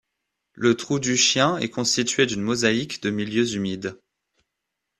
Le Trou du Chien est constitué d'une mosaïque de milieux humides.